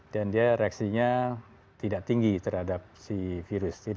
dan dia reaksinya tidak tinggi terhadap si virus